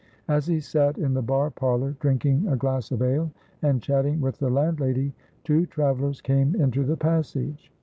As he sat in the bar parlor drinking a glass of ale and chatting with the landlady, two travelers came into the passage.